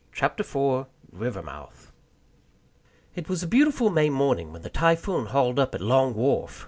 Chapter Four Rivermouth It was a beautiful May morning when the Typhoon hauled up at Long Wharf.